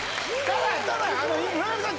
村上さん